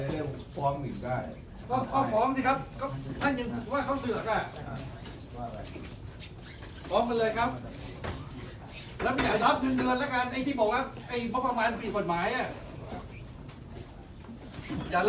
ถ้าคุณหญิงเสือกผมรับไม่ได้ผมผู้ลูกผู้ชาย